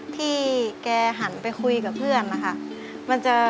ที่แกหันไปคุยกับเพื่อนนะคะ